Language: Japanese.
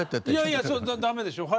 いやいや駄目でしょう。